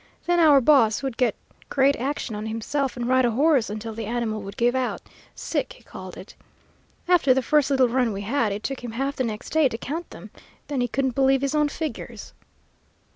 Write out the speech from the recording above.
Then our boss would get great action on himself and ride a horse until the animal would give out sick, he called it. After the first little run we had, it took him half the next day to count them; then he couldn't believe his own figures.